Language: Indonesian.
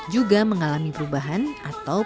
juga mengalami perubahan atau pergeseran kultur